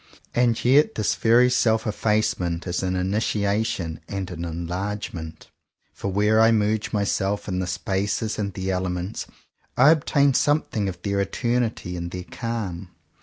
And yet this very self effacement is an initiation and an enlargement; for where I merge myself in the spaces and the elements, I obtain something of their eternity and their calm.